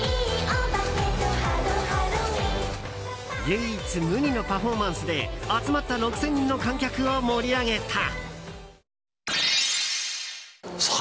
唯一無二のパフォーマンスで集まった６０００人の観客を盛り上げた。